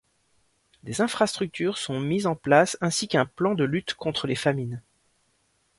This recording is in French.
Des infrastructures sont mises en place ainsi qu'un plan de lutte contre les famines.